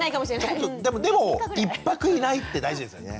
でも１泊いないって大事ですよね。